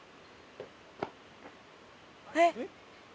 えっ？